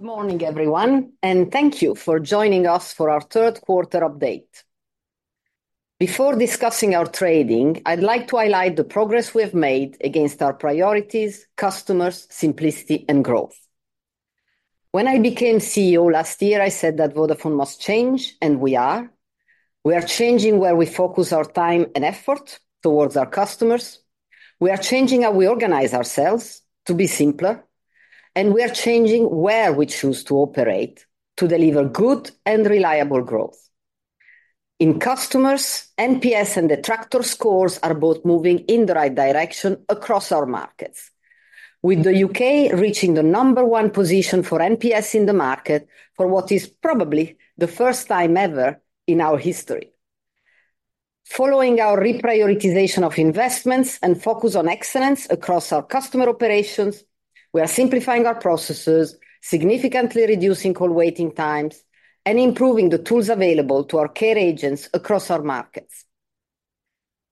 Good morning, everyone, and thank you for joining us for our third quarter update. Before discussing our trading, I'd like to highlight the progress we have made against our priorities, customers, simplicity, and growth. When I became CEO last year, I said that Vodafone must change, and we are. We are changing where we focus our time and effort towards our customers. We are changing how we organize ourselves to be simpler, and we are changing where we choose to operate to deliver good and reliable growth. In customers, NPS and detractor scores are both moving in the right direction across our markets, with the U.K. reaching the number one position for NPS in the market for what is probably the first time ever in our history. Following our reprioritization of investments and focus on excellence across our customer operations, we are simplifying our processes, significantly reducing call waiting times, and improving the tools available to our care agents across our markets.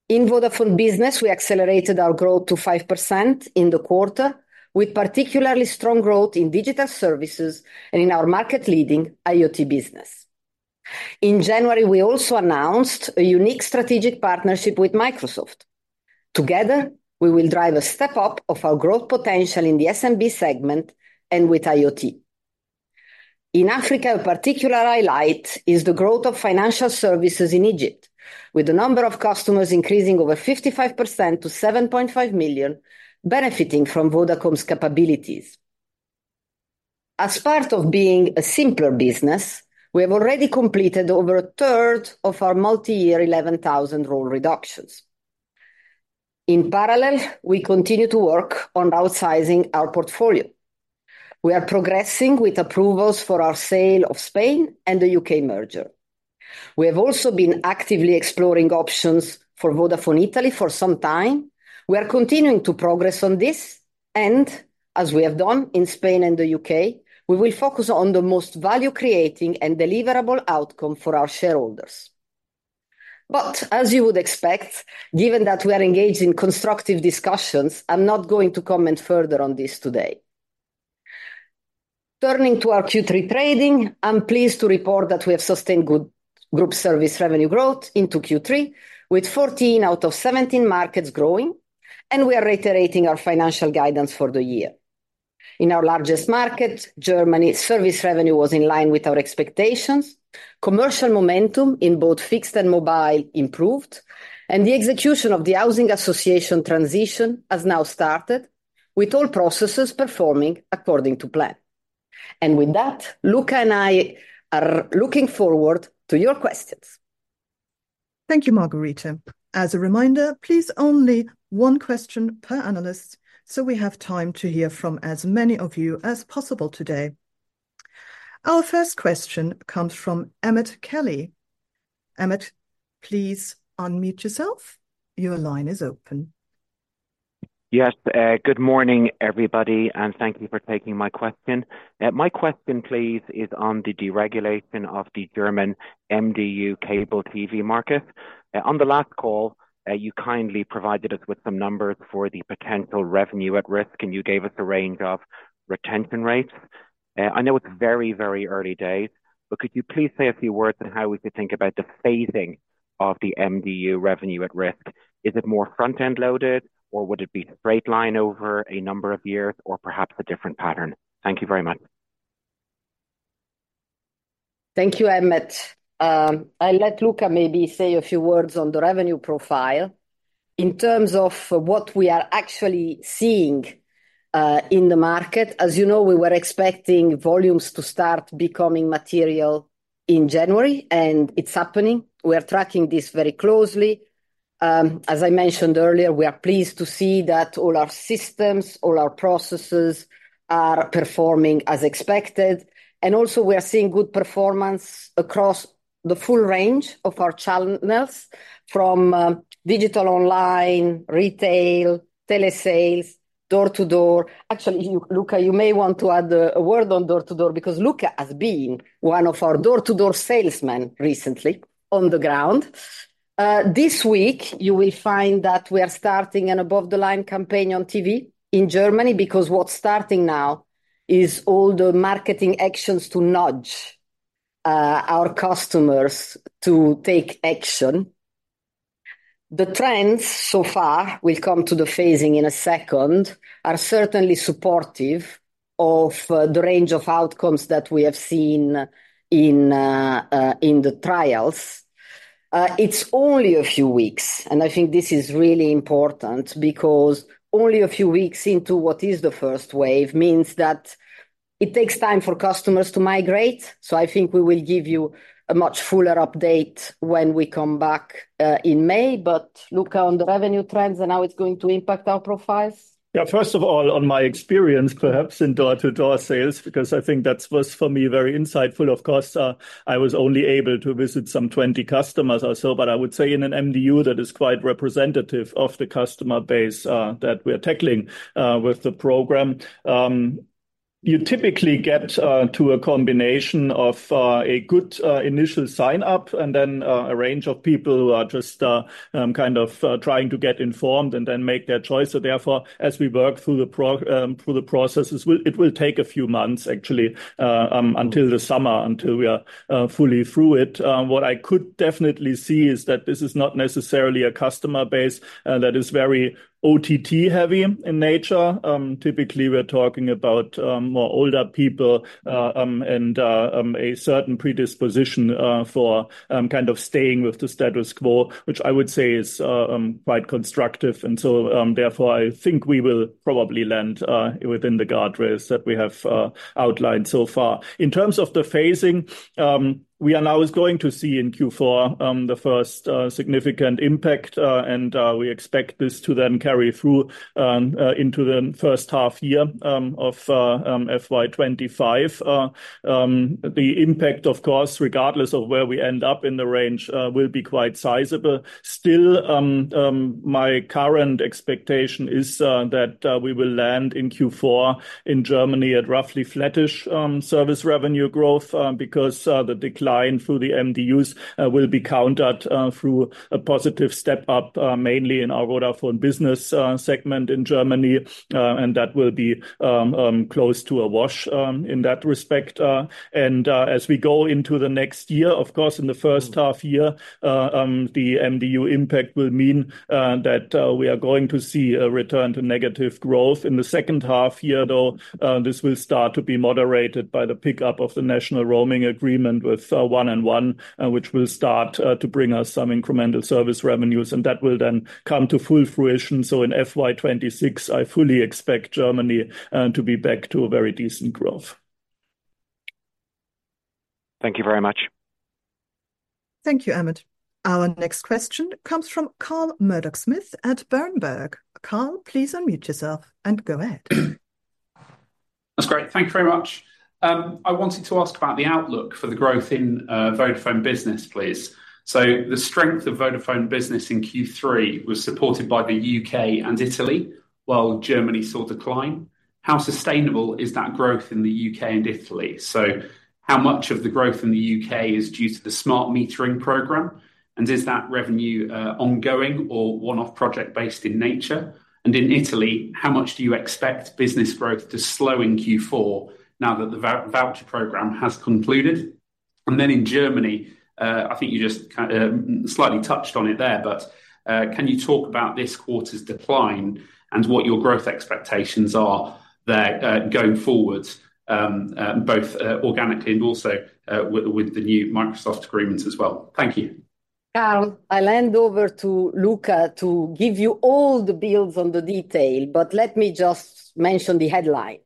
In Vodafone Business, we accelerated our growth to 5% in the quarter, with particularly strong growth in digital services and in our market-leading IoT business. In January, we also announced a unique strategic partnership with Microsoft. Together, we will drive a step up of our growth potential in the SMB segment and with IoT. In Africa, a particular highlight is the growth of financial services in Egypt, with the number of customers increasing over 55% to 7.5 million, benefiting from Vodacom's capabilities. As part of being a simpler business, we have already completed over a third of our multi-year 11,000 role reductions. In parallel, we continue to work on outsizing our portfolio. We are progressing with approvals for our sale of Spain and the U.K. merger. We have also been actively exploring options for Vodafone Italy for some time. We are continuing to progress on this, and as we have done in Spain and the U.K., we will focus on the most value-creating and deliverable outcome for our shareholders. But as you would expect, given that we are engaged in constructive discussions, I'm not going to comment further on this today. Turning to our Q3 trading, I'm pleased to report that we have sustained good group service revenue growth into Q3, with 14 out of 17 markets growing, and we are reiterating our financial guidance for the year. In our largest market, Germany, service revenue was in line with our expectations. Commercial momentum in both fixed and mobile improved, and the execution of the housing association transition has now started, with all processes performing according to plan. With that, Luka and I are looking forward to your questions. Thank you, Margherita. As a reminder, please, only one question per analyst, so we have time to hear from as many of you as possible today. Our first question comes from Emmet Kelly. Emmet, please unmute yourself. Your line is open. Yes. Good morning, everybody, and thank you for taking my question. My question, please, is on the deregulation of the German MDU cable TV market. On the last call, you kindly provided us with some numbers for the potential revenue at risk, and you gave us a range of retention rates. I know it's very, very early days, but could you please say a few words on how we could think about the phasing of the MDU revenue at risk? Is it more front-end loaded, or would it be a straight line over a number of years, or perhaps a different pattern? Thank you very much. Thank you, Emmet. I'll let Luka maybe say a few words on the revenue profile. In terms of what we are actually seeing in the market, as you know, we were expecting volumes to start becoming material in January, and it's happening. We are tracking this very closely. As I mentioned earlier, we are pleased to see that all our systems, all our processes are performing as expected, and also we are seeing good performance across the full range of our channels, from digital, online, retail, telesales, door-to-door. Actually, you, Luka, you may want to add a word on door-to-door because Luka has been one of our door-to-door salesmen recently on the ground. This week you will find that we are starting an above-the-line campaign on TV in Germany, because what's starting now is all the marketing actions to nudge our customers to take action. The trends so far, we'll come to the phasing in a second, are certainly supportive of the range of outcomes that we have seen in the trials. It's only a few weeks, and I think this is really important, because only a few weeks into what is the first wave means that it takes time for customers to migrate. So I think we will give you a much fuller update when we come back in May. But Luka, on the revenue trends and how it's going to impact our profiles? Yeah, first of all, on my experience, perhaps, in door-to-door sales, because I think that was, for me, very insightful. Of course, I was only able to visit some 20 customers or so, but I would say in an MDU that is quite representative of the customer base, that we are tackling, with the program. You typically get to a combination of a good initial sign-up, and then a range of people who are just kind of trying to get informed and then make their choice. So therefore, as we work through the processes, it will take a few months, actually, until the summer, until we are fully through it. What I could definitely see is that this is not necessarily a customer base that is very OTT-heavy in nature. Typically, we're talking about more older people and a certain predisposition for kind of staying with the status quo, which I would say is quite constructive. Therefore, I think we will probably land within the guardrails that we have outlined so far. In terms of the phasing, we are now going to see in Q4 the first significant impact, and we expect this to then carry through into the first half year of FY 25. The impact, of course, regardless of where we end up in the range, will be quite sizable. Still, my current expectation is that we will land in Q4 in Germany at roughly flattish service revenue growth, because the decline through the MDUs will be countered through a positive step-up, mainly in our Vodafone Business segment in Germany. And that will be close to a wash in that respect. And as we go into the next year, of course, in the first half year, the MDU impact will mean that we are going to see a return to negative growth. In the second half year, though, this will start to be moderated by the pickup of the national roaming agreement with 1&1, which will start to bring us some incremental service revenues, and that will then come to full fruition. So in FY 26, I fully expect Germany to be back to a very decent growth. Thank you very much. Thank you, Emmet. Our next question comes from Carl Murdoch-Smith at Berenberg. Carl, please unmute yourself and go ahead. That's great. Thank you very much. I wanted to ask about the outlook for the growth in Vodafone Business, please. So the strength of Vodafone Business in Q3 was supported by the U.K. and Italy, while Germany saw decline. How sustainable is that growth in the U.K. and Italy? So how much of the growth in the U.K. is due to the smart metering program, and is that revenue ongoing or one-off project based in nature? And in Italy, how much do you expect business growth to slow in Q4 now that the voucher program has concluded? And then in Germany, I think you just slightly touched on it there, but can you talk about this quarter's decline and what your growth expectations are there, going forward, both organically and also with the new Microsoft agreements as well? Thank you. Carl, I'll hand over to Luka to give you all the builds on the detail, but let me just mention the headline.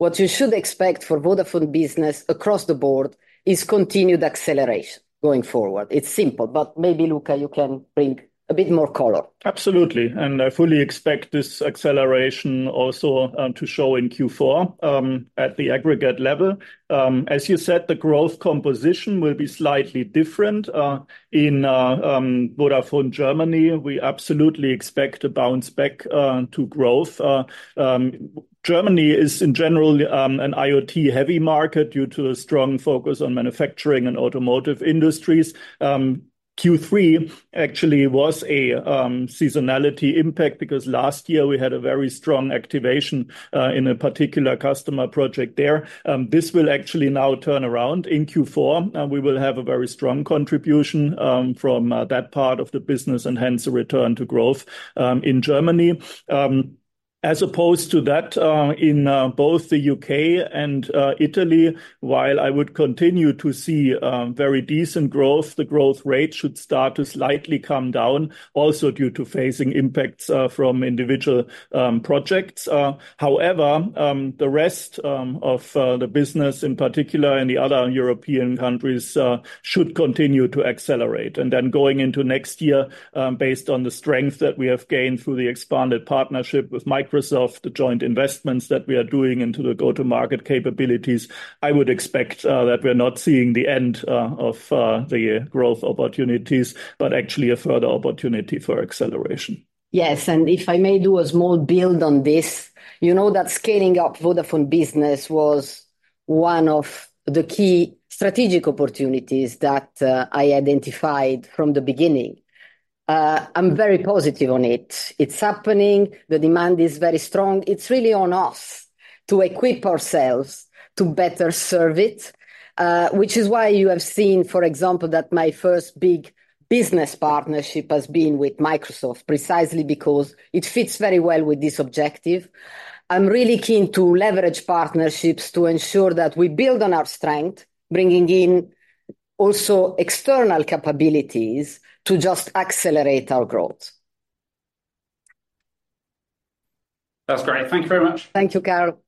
What you should expect for Vodafone Business across the board is continued acceleration going forward. It's simple, but maybe, Luka, you can bring a bit more color. Absolutely. I fully expect this acceleration also to show in Q4 at the aggregate level. As you said, the growth composition will be slightly different. In Vodafone Germany, we absolutely expect to bounce back to growth. Germany is, in general, an IoT-heavy market due to a strong focus on manufacturing and automotive industries. Q3 actually was a seasonality impact, because last year we had a very strong activation in a particular customer project there. This will actually now turn around in Q4, and we will have a very strong contribution from that part of the business and, hence, a return to growth in Germany. As opposed to that, in both the U.K. and Italy, while I would continue to see very decent growth, the growth rate should start to slightly come down, also due to phasing impacts from individual projects. However, the rest of the business, in particular in the other European countries, should continue to accelerate. And then going into next year, based on the strength that we have gained through the expanded partnership with Microsoft, the joint investments that we are doing into the go-to-market capabilities, I would expect that we're not seeing the end of the growth opportunities, but actually a further opportunity for acceleration. Yes, and if I may do a small build on this, you know that scaling up Vodafone Business was one of the key strategic opportunities that I identified from the beginning. I'm very positive on it. It's happening. The demand is very strong. It's really on us to equip ourselves to better serve it, which is why you have seen, for example, that my first big business partnership has been with Microsoft, precisely because it fits very well with this objective. I'm really keen to leverage partnerships to ensure that we build on our strength, bringing in also external capabilities to just accelerate our growth. That's great. Thank you very much. Thank you, Carl.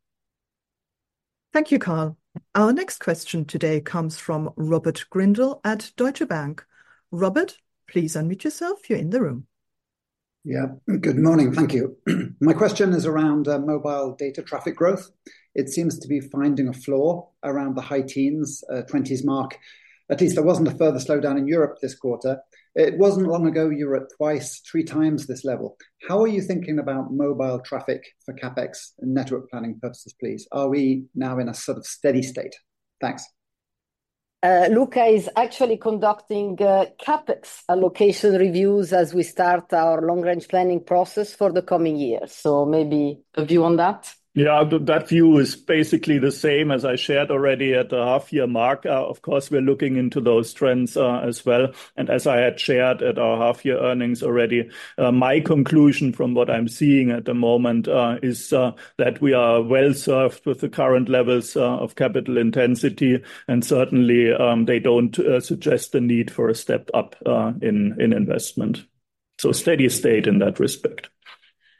Thank you, Carl. Our next question today comes from Robert Grindle at Deutsche Bank. Robert, please unmute yourself. You're in the room. Yeah. Good morning. Thank you. My question is around mobile data traffic growth. It seems to be finding a floor around the high teens, twenties mark. At least there wasn't a further slowdown in Europe this quarter. It wasn't long ago you were at twice, three times this level. How are you thinking about mobile traffic for CapEx and network planning purposes, please? Are we now in a sort of steady state? Thanks. Luka is actually conducting, CapEx allocation reviews as we start our long-range planning process for the coming year. So maybe a view on that? Yeah, that view is basically the same as I shared already at the half-year mark. Of course, we're looking into those trends, as well. And as I had shared at our half-year earnings already, my conclusion from what I'm seeing at the moment is that we are well-served with the current levels of capital intensity, and certainly, they don't suggest the need for a step up in investment. So steady state in that respect.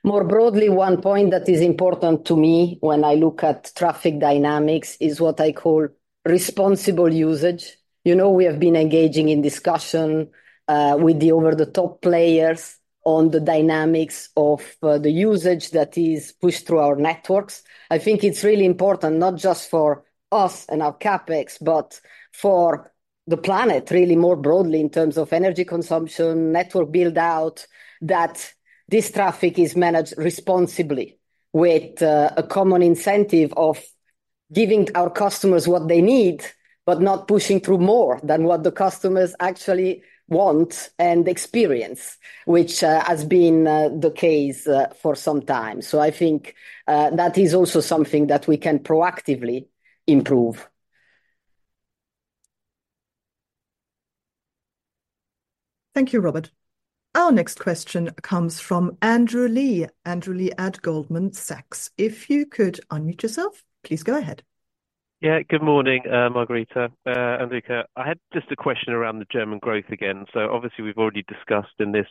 More broadly, one point that is important to me when I look at traffic dynamics is what I call responsible usage. You know, we have been engaging in discussion with the over-the-top players on the dynamics of the usage that is pushed through our networks. I think it's really important, not just for us and our CapEx, but for the planet, really more broadly in terms of energy consumption, network build-out, that this traffic is managed responsibly with a common incentive of giving our customers what they need, but not pushing through more than what the customers actually want and experience, which has been the case for some time. So I think that is also something that we can proactively improve. Thank you, Robert. Our next question comes from Andrew Lee. Andrew Lee at Goldman Sachs. If you could unmute yourself, please go ahead. Yeah. Good morning, Margherita, and Luka. I had just a question around the German growth again. So obviously, we've already discussed in this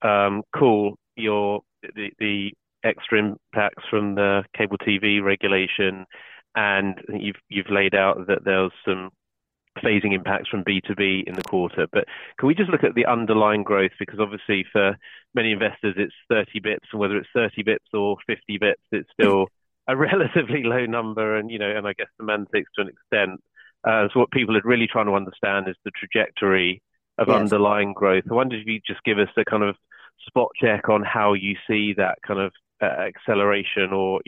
call the extra impacts from the cable TV regulation, and you've laid out that there was some phasing impacts from B2B in the quarter. But can we just look at the underlying growth? Because obviously, for many investors, it's 30 bps, and whether it's 30 bps or 50 bps, it's still a relatively low number and, you know, and I guess semantics to an extent. So what people are really trying to understand is the trajectory- Yes... of underlying growth. I wonder if you'd just give us a kind of spot check on how you see that kind of acceleration or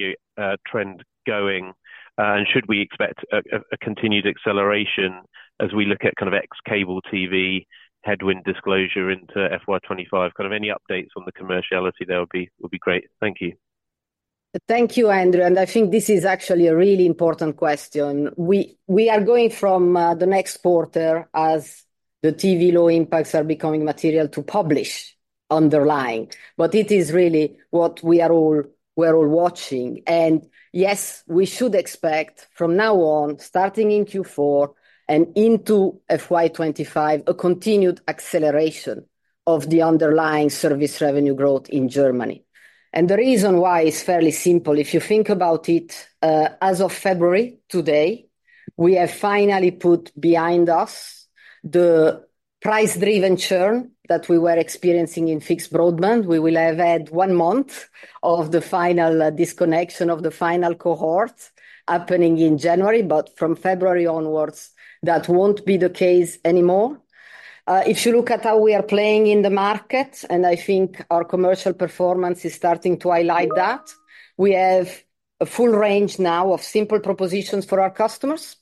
trend going, and should we expect a continued acceleration as we look at kind of ex cable TV headwind disclosure into FY 25? Kind of any updates on the commerciality there would be great. Thank you. Thank you, Andrew, and I think this is actually a really important question. We, we are going from, the next quarter as the TV law impacts are becoming material to publish underlying, but it is really what we are all- we're all watching. And yes, we should expect from now on, starting in Q4 and into FY 2025, a continued acceleration of the underlying service revenue growth in Germany. And the reason why is fairly simple. If you think about it, as of February, today, we have finally put behind us the price-driven churn that we were experiencing in fixed broadband. We will have had one month of the final, disconnection of the final cohort happening in January, but from February onwards, that won't be the case anymore. If you look at how we are playing in the market, and I think our commercial performance is starting to highlight that, we have a full range now of simple propositions for our customers,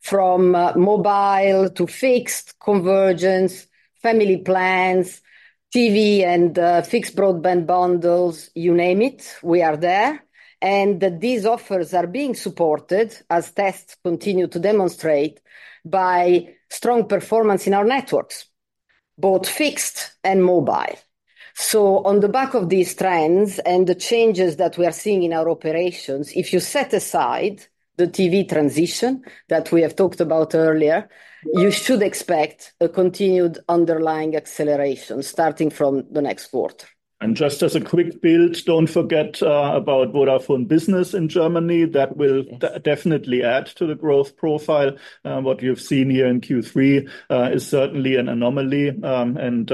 from mobile to fixed convergence, family plans, TV and fixed broadband bundles, you name it, we are there. And that these offers are being supported, as tests continue to demonstrate, by strong performance in our networks, both fixed and mobile. So on the back of these trends and the changes that we are seeing in our operations, if you set aside the TV transition that we have talked about earlier, you should expect a continued underlying acceleration starting from the next quarter. And just as a quick build, don't forget about Vodafone Business in Germany. That will- Yes... definitely add to the growth profile. What you've seen here in Q3 is certainly an anomaly, and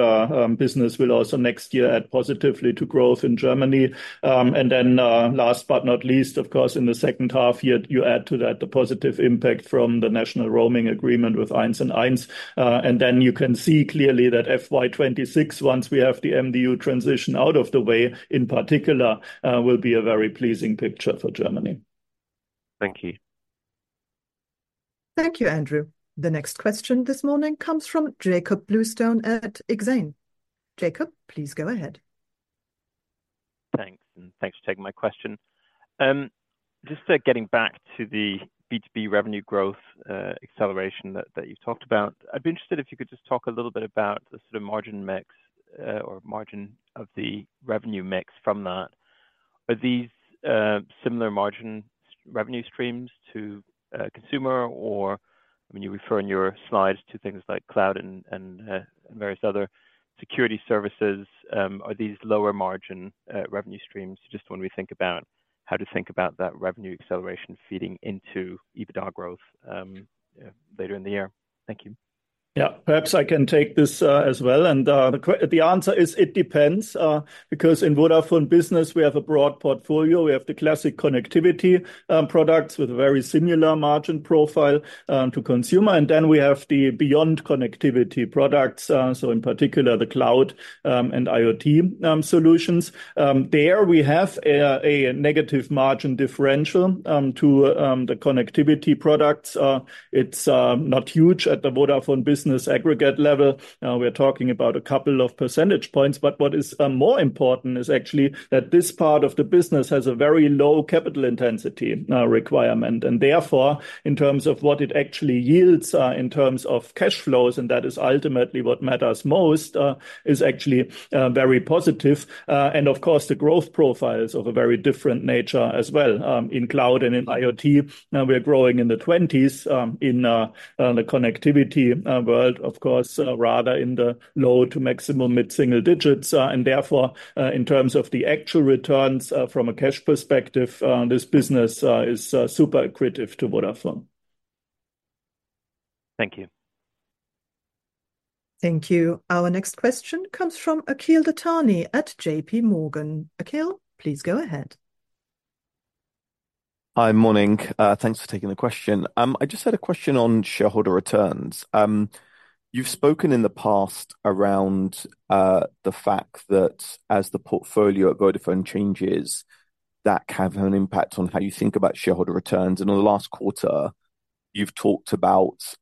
business will also next year add positively to growth in Germany. And then, last but not least, of course, in the second half year, you add to that the positive impact from the National Roaming Agreement with 1&1, and then you can see clearly that FY 2026, once we have the MDU transition out of the way, in particular, will be a very pleasing picture for Germany. Thank you. Thank you, Andrew. The next question this morning comes from Jakob Bluestone at Exane. Jakob, please go ahead. Thanks, and thanks for taking my question. Just getting back to the B2B revenue growth acceleration that you talked about, I'd be interested if you could just talk a little bit about the sort of margin mix or margin of the revenue mix from that. Are these similar margin revenue streams to consumer? Or when you refer in your slides to things like cloud and various other security services, are these lower margin revenue streams, just when we think about how to think about that revenue acceleration feeding into EBITDA growth later in the year? Thank you. Yeah, perhaps I can take this as well, and the answer is it depends, because in Vodafone Business, we have a broad portfolio. We have the classic connectivity products with a very similar margin profile to consumer, and then we have the beyond connectivity products, so in particular, the cloud and IoT solutions. There we have a negative margin differential to the connectivity products. It's not huge at the Vodafone Business aggregate level. Now we're talking about a couple of percentage points, but what is more important is actually that this part of the business has a very low capital intensity requirement, and therefore, in terms of what it actually yields in terms of cash flows, and that is ultimately what matters most is actually very positive. And of course, the growth profile is of a very different nature as well, in cloud and in IoT. Now we're growing in the 20s, in the connectivity world, of course, rather in the low to maximum mid-single digits. And therefore, in terms of the actual returns, from a cash perspective, this business is super accretive to Vodafone. Thank you. Thank you. Our next question comes from Akhil Dattani at JPMorgan. Akhil, please go ahead. Hi, morning. Thanks for taking the question. I just had a question on shareholder returns. You've spoken in the past around the fact that as the portfolio at Vodafone changes, that can have an impact on how you think about shareholder returns, and in the last quarter, you've talked about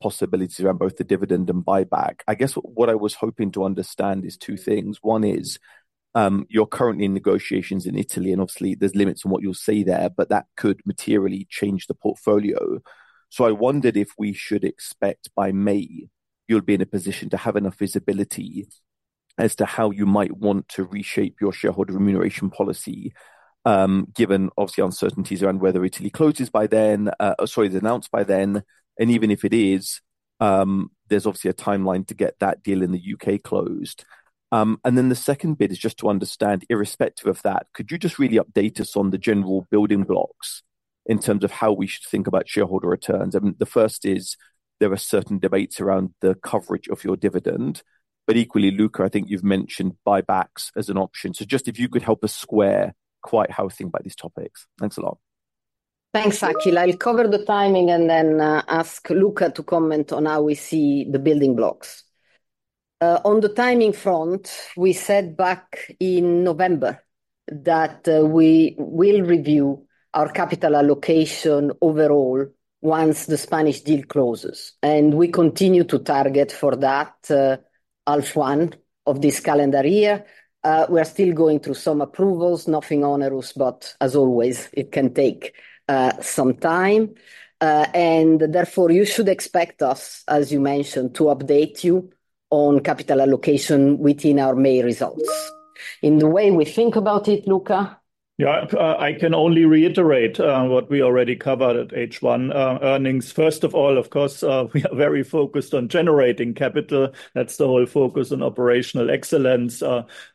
possibilities around both the dividend and buyback. I guess what I was hoping to understand is two things. One is, you're currently in negotiations in Italy, and obviously there's limits on what you'll say there, but that could materially change the portfolio. So I wondered if we should expect by May you'll be in a position to have enough visibility as to how you might want to reshape your shareholder remuneration policy, given obviously uncertainties around whether Italy closes by then, sorry, is announced by then, and even if it is, there's obviously a timeline to get that deal in the U.K. closed. And then the second bit is just to understand, irrespective of that, could you just really update us on the general building blocks in terms of how we should think about shareholder returns? And the first is, there are certain debates around the coverage of your dividend, but equally, Luka, I think you've mentioned buybacks as an option. So just if you could help us square quite how to think about these topics. Thanks a lot. Thanks, Akhil. I'll cover the timing and then ask Luka to comment on how we see the building blocks. On the timing front, we said back in November that we will review our capital allocation overall once the Spanish deal closes, and we continue to target for that H1 of this calendar year. We are still going through some approvals, nothing onerous, but as always, it can take some time. Therefore, you should expect us, as you mentioned, to update you on capital allocation within our May results. In the way we think about it, Luka? Yeah, I can only reiterate what we already covered at H1 earnings. First of all, of course, we are very focused on generating capital. That's the whole focus on operational excellence.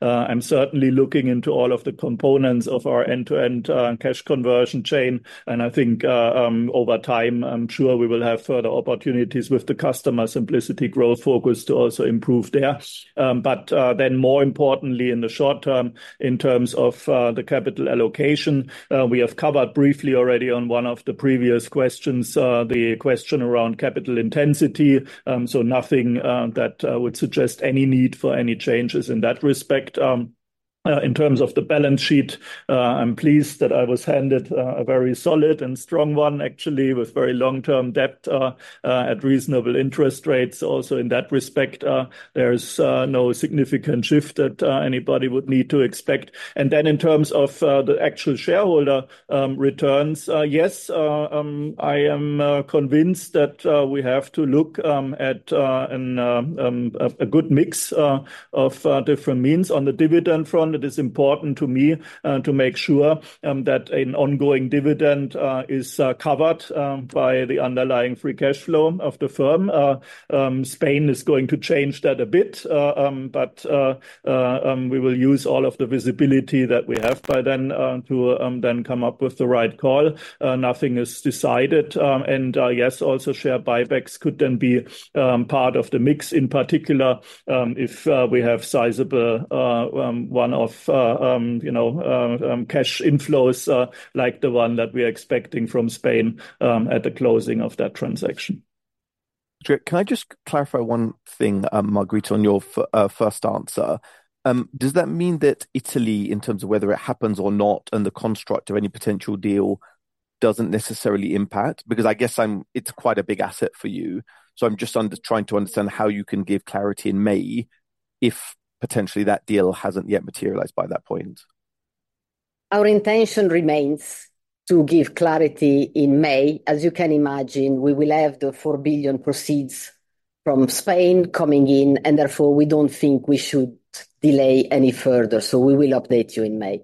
I'm certainly looking into all of the components of our end-to-end cash conversion chain, and I think over time, I'm sure we will have further opportunities with the customer simplicity growth focus to also improve there. But then more importantly, in the short term, in terms of the capital allocation, we have covered briefly already on one of the previous questions, the question around capital intensity, so nothing that would suggest any need for any changes in that respect. In terms of the balance sheet, I'm pleased that I was handed a very solid and strong one, actually, with very long-term debt at reasonable interest rates. Also, in that respect, there's no significant shift that anybody would need to expect. And then in terms of the actual shareholder returns, yes, I am convinced that we have to look at a good mix of different means. On the dividend front, it is important to me to make sure that an ongoing dividend is covered by the underlying free cash flow of the firm. Spain is going to change that a bit, but we will use all of the visibility that we have by then to then come up with the right call. Nothing is decided, and yes, also, share buybacks could then be part of the mix, in particular, if we have sizable one-off, you know, cash inflows, like the one that we're expecting from Spain at the closing of that transaction. Great. Can I just clarify one thing, Margherita, on your first answer? Does that mean that Italy, in terms of whether it happens or not, and the construct of any potential deal, doesn't necessarily impact? Because I guess it's quite a big asset for you, so I'm just trying to understand how you can give clarity in May if potentially that deal hasn't yet materialized by that point. Our intention remains to give clarity in May. As you can imagine, we will have the 4 billion proceeds from Spain coming in, and therefore, we don't think we should delay any further, so we will update you in May.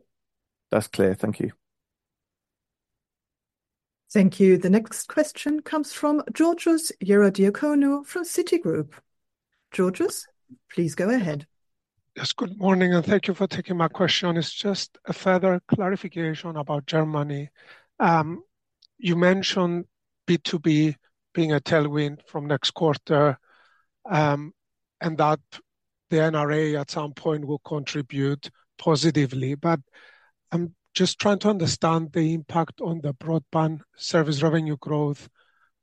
That's clear. Thank you. Thank you. The next question comes from Georgios Ierodiaconou from Citigroup. Georgios, please go ahead. Yes, good morning, and thank you for taking my question. It's just a further clarification about Germany. You mentioned B2B being a tailwind from next quarter, and that the NRA at some point will contribute positively. But I'm just trying to understand the impact on the broadband service revenue growth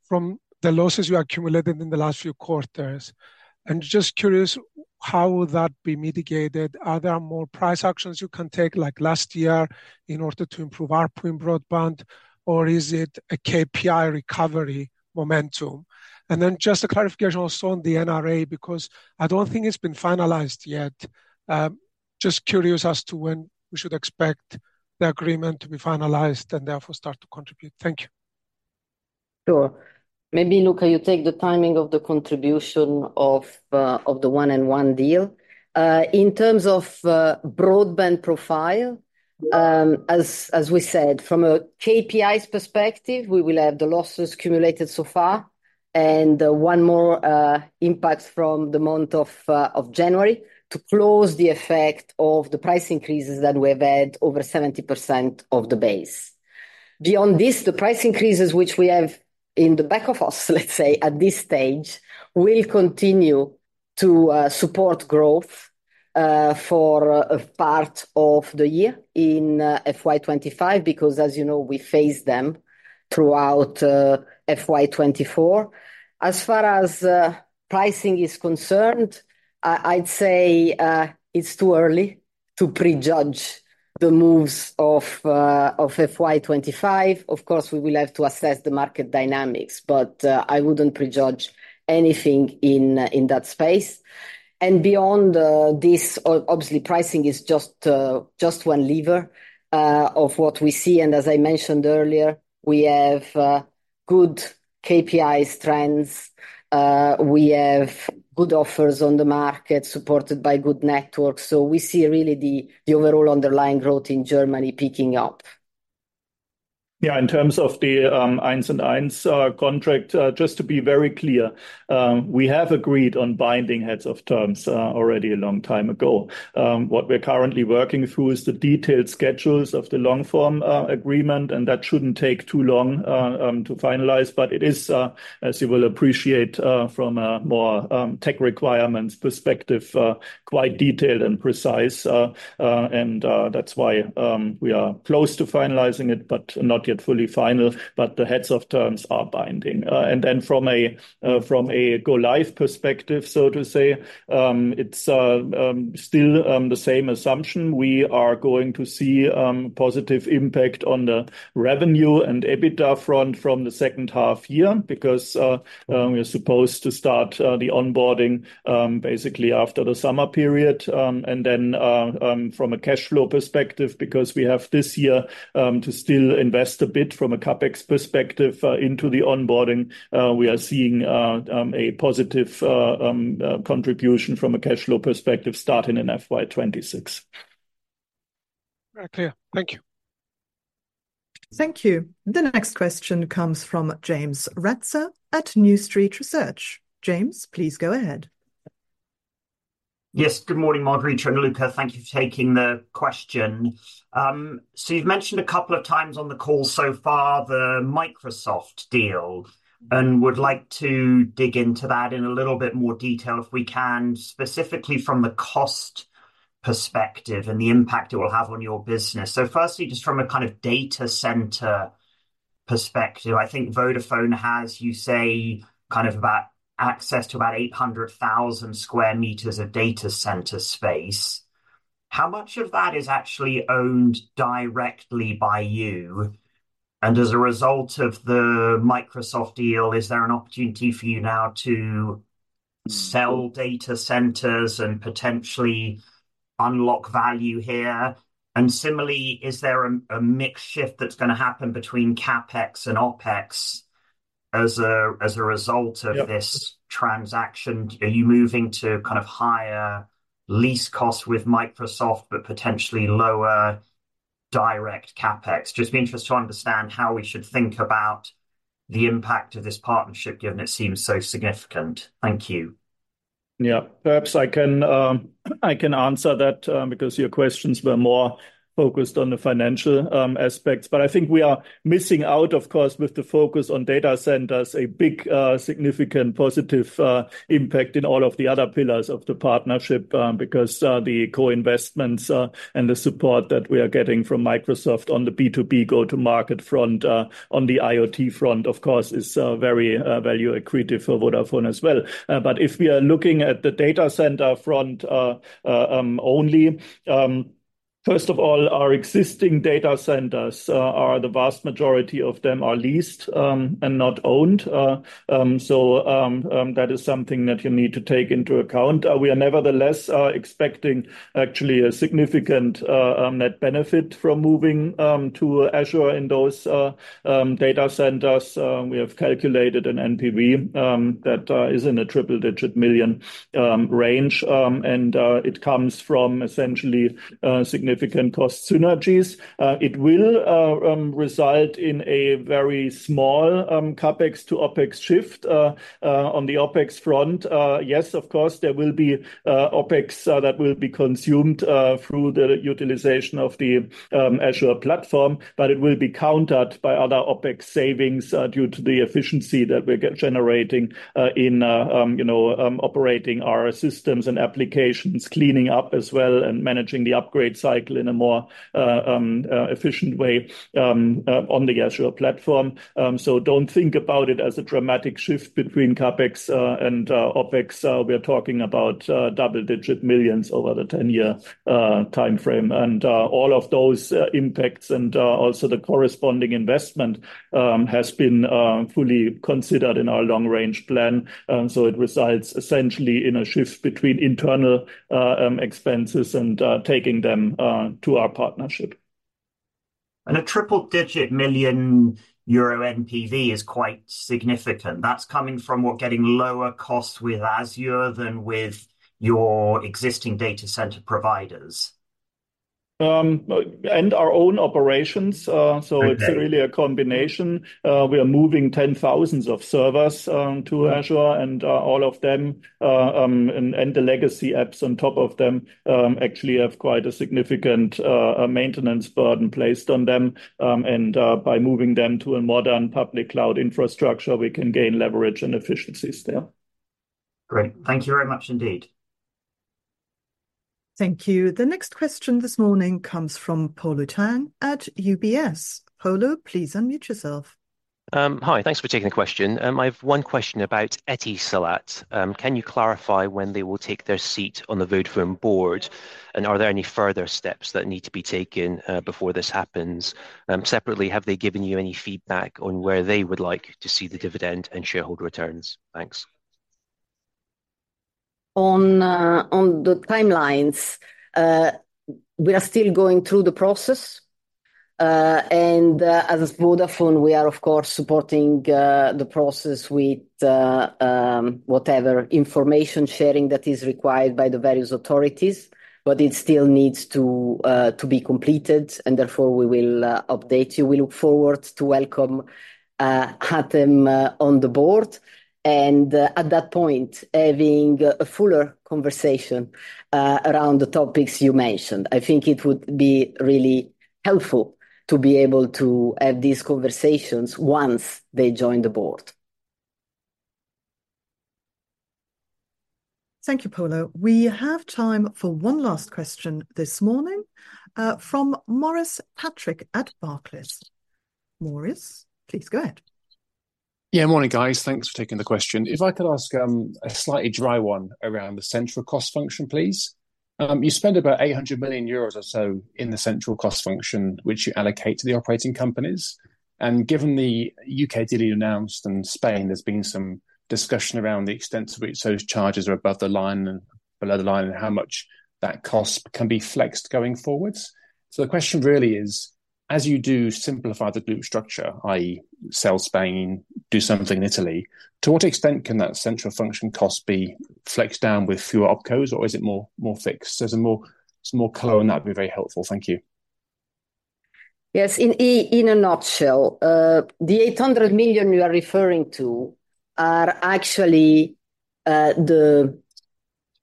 from the losses you accumulated in the last few quarters. And just curious, how will that be mitigated? Are there more price actions you can take, like last year, in order to improve ARPU in broadband, or is it a KPI recovery momentum? And then just a clarification also on the NRA, because I don't think it's been finalized yet. Just curious as to when we should expect the agreement to be finalized, and therefore start to contribute. Thank you. Sure. Maybe, Luka, you take the timing of the contribution of the 1&1 deal. In terms of broadband profile, as we said, from a KPIs perspective, we will have the losses accumulated so far, and one more impact from the month of January to close the effect of the price increases that we've had over 70% of the base. Beyond this, the price increases, which we have in the back of us, let's say, at this stage, will continue to support growth for a part of the year in FY 2025, because, as you know, we phased them throughout FY 2024. As far as pricing is concerned, I'd say it's too early to pre-judge the moves of FY 2025. Of course, we will have to assess the market dynamics, but I wouldn't pre-judge anything in that space. And beyond this, obviously, pricing is just one lever of what we see, and as I mentioned earlier, we have good KPIs trends. We have good offers on the market, supported by good networks, so we see really the overall underlying growth in Germany picking up. Yeah, in terms of the 1&1 contract, just to be very clear, we have agreed on binding heads of terms already a long time ago. What we're currently working through is the detailed schedules of the long-form agreement, and that shouldn't take too long to finalize. But it is, as you will appreciate, from a more tech requirements perspective, quite detailed and precise. And that's why we are close to finalizing it, but not yet fully final. But the heads of terms are binding. And then from a go-live perspective, so to say, it's still the same assumption. We are going to see positive impact on the revenue and EBITDA front from the second half year because we're supposed to start the onboarding basically after the summer period. And then, from a cash flow perspective, because we have this year to still invest a bit from a CapEx perspective into the onboarding, we are seeing a positive contribution from a cash flow perspective starting in FY 2026. Very clear. Thank you. Thank you. The next question comes from James Ratzer at New Street Research. James, please go ahead. Yes, good morning, Margherita and Luka. Thank you for taking the question. So you've mentioned a couple of times on the call so far the Microsoft deal, and would like to dig into that in a little bit more detail, if we can, specifically from the cost perspective and the impact it will have on your business. So firstly, just from a kind of data center perspective, I think Vodafone has, you say, kind of about access to about 800,000 sq meters of data center space. How much of that is actually owned directly by you? And as a result of the Microsoft deal, is there an opportunity for you now to sell- Mm... data centers and potentially unlock value here? And similarly, is there a mix shift that's gonna happen between CapEx and OpEx as a result of- Yep... this transaction? Are you moving to kind of higher lease costs with Microsoft but potentially lower direct CapEx? Just be interested to understand how we should think about the impact of this partnership, given it seems so significant. Thank you. Yeah. Perhaps I can, I can answer that, because your questions were more focused on the financial, aspects. But I think we are missing out, of course, with the focus on data centers, a big, significant positive, impact in all of the other pillars of the partnership, because, the co-investments, and the support that we are getting from Microsoft on the B2B go-to-market front, on the IoT front, of course, is, very, value accretive for Vodafone as well. But if we are looking at the data center front only. First of all, our existing data centers are the vast majority of them are leased, and not owned. So, that is something that you need to take into account. We are nevertheless expecting actually a significant net benefit from moving to Azure in those data centers. We have calculated an NPV that is in a triple-digit million EUR range. It comes from essentially significant cost synergies. It will result in a very small CapEx to OpEx shift. On the OpEx front, yes, of course, there will be OpEx that will be consumed through the utilization of the Azure platform, but it will be countered by other OpEx savings due to the efficiency that we're generating in, you know, operating our systems and applications, cleaning up as well, and managing the upgrade cycle in a more efficient way on the Azure platform. So don't think about it as a dramatic shift between CapEx and OpEx. We are talking about double-digit millions over the 10-year timeframe. And all of those impacts and also the corresponding investment has been fully considered in our long-range plan. So it resides essentially in a shift between internal expenses and taking them to our partnership. A triple-digit million EUR NPV is quite significant. That's coming from what getting lower costs with Azure than with your existing data center providers? And our own operations. Okay. So it's really a combination. We are moving 10,000 servers to Azure, and all of them and the legacy apps on top of them actually have quite a significant maintenance burden placed on them. And by moving them to a modern public cloud infrastructure, we can gain leverage and efficiencies there. Great. Thank you very much indeed. Thank you. The next question this morning comes from Polo Tang at UBS. Polo, please unmute yourself. Hi. Thanks for taking the question. I have one question about Etisalat. Can you clarify when they will take their seat on the Vodafone board? And are there any further steps that need to be taken before this happens? Separately, have they given you any feedback on where they would like to see the dividend and shareholder returns? Thanks. On the timelines, we are still going through the process. And as Vodafone, we are, of course, supporting the process with whatever information sharing that is required by the various authorities, but it still needs to be completed, and therefore we will update you. We look forward to welcome Hatem on the board, and at that point, having a fuller conversation around the topics you mentioned. I think it would be really helpful to be able to have these conversations once they join the board. Thank you, Polo. We have time for one last question this morning from Maurice Patrick at Barclays. Maurice, please go ahead. Yeah. Morning, guys. Thanks for taking the question. If I could ask a slightly dry one around the central cost function, please. You spend about 800 million euros or so in the central cost function, which you allocate to the operating companies. Given the U.K. deal you announced in Spain, there's been some discussion around the extent to which those charges are above the line and below the line, and how much that cost can be flexed going forwards. So the question really is: as you do simplify the group structure, i.e., sell Spain, do something in Italy, to what extent can that central function cost be flexed down with fewer OpCos, or is it more fixed? Some more color on that would be very helpful. Thank you. Yes, in a nutshell, the 800 million you are referring to are actually the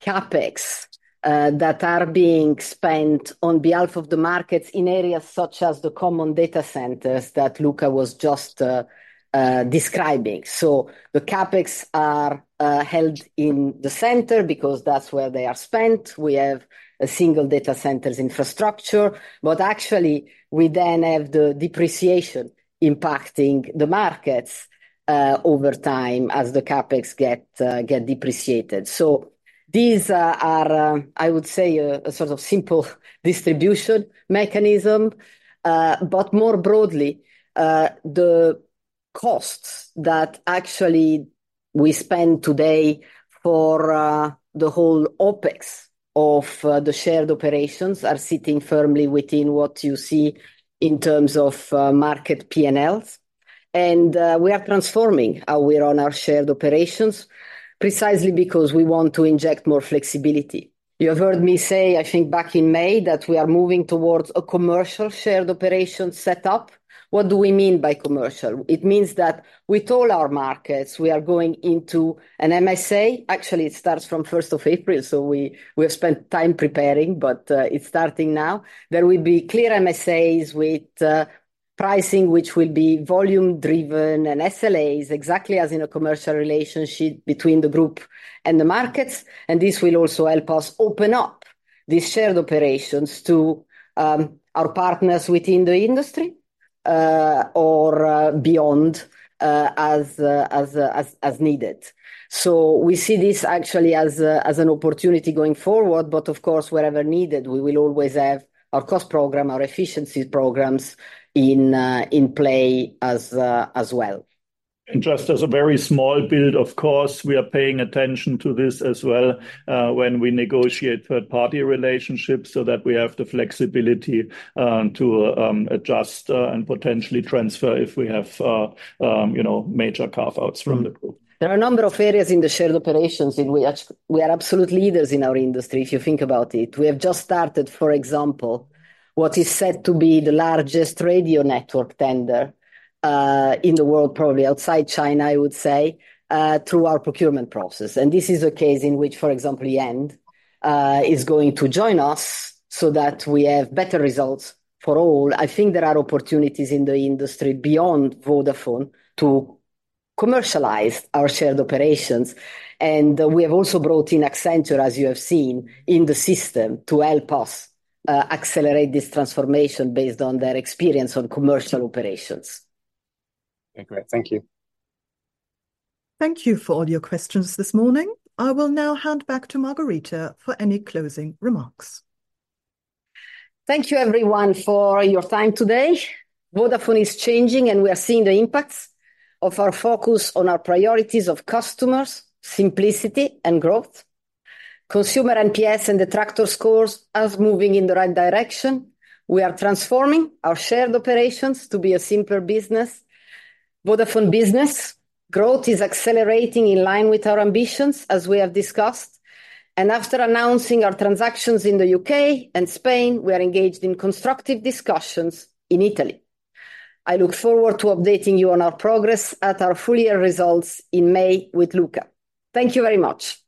CapEx that are being spent on behalf of the markets in areas such as the common data centers that Luka was just describing. So the CapEx are held in the center because that's where they are spent. We have a single data centers infrastructure, but actually, we then have the depreciation impacting the markets over time as the CapEx get depreciated. So these are, I would say, a sort of simple distribution mechanism. But more broadly, the costs that actually we spend today for the whole OpEx of the shared operations are sitting firmly within what you see in terms of market P&Ls. We are transforming how we run our shared operations, precisely because we want to inject more flexibility. You have heard me say, I think back in May, that we are moving towards a commercial shared operation setup. What do we mean by commercial? It means that with all our markets, we are going into... I must say, actually, it starts from first of April, so we have spent time preparing, but it's starting now. There will be clear MSAs with pricing, which will be volume driven, and SLAs, exactly as in a commercial relationship between the group and the markets, and this will also help us open up these shared operations to our partners within the industry... or beyond, as needed. So we see this actually as an opportunity going forward, but of course, wherever needed, we will always have our cost program, our efficiency programs in play as well. Just as a very small build, of course, we are paying attention to this as well, when we negotiate third-party relationships so that we have the flexibility to adjust and potentially transfer if we have, you know, major carve-outs from the group. There are a number of areas in the shared operations in which we are absolute leaders in our industry, if you think about it. We have just started, for example, what is said to be the largest radio network tender in the world, probably outside China, I would say, through our procurement process. And this is a case in which, for example, e& is going to join us so that we have better results for all. I think there are opportunities in the industry beyond Vodafone to commercialize our shared operations, and we have also brought in Accenture, as you have seen, in the system to help us accelerate this transformation based on their experience on commercial operations. Okay, great. Thank you. Thank you for all your questions this morning. I will now hand back to Margherita for any closing remarks. Thank you everyone for your time today. Vodafone is changing, and we are seeing the impacts of our focus on our priorities of customers, simplicity, and growth. Consumer NPS and detractor scores are moving in the right direction. We are transforming our shared operations to be a simpler business. Vodafone business growth is accelerating in line with our ambitions, as we have discussed. After announcing our transactions in the U.K. and Spain, we are engaged in constructive discussions in Italy. I look forward to updating you on our progress at our full year results in May with Luka. Thank you very much.